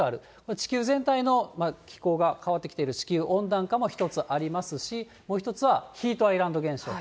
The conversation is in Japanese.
地球全体の気候が変わってきている、地球温暖化も一つありますし、もう１つはヒートアイランド現象。